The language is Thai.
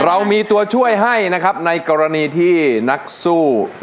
เรามีตัวช่วยให้นะครับในกรณีที่นักสู้